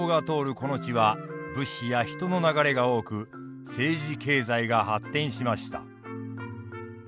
この地は物資や人の流れが多く政治経済が発展しました。